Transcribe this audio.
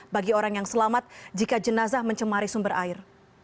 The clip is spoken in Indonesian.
bagi orang yang selamat jika jenazah mencemari sumber air